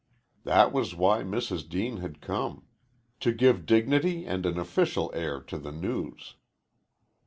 That was why Mrs. Deane had come to give dignity and an official air to the news.